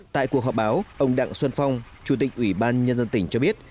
tại cuộc họp báo ông đặng xuân phong chủ tịch ubnd tỉnh cho biết